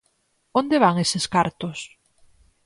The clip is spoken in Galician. ¿Onde van eses cartos?